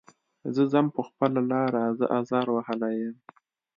زه ځم په خپله لاره زه ازار وهلی یم.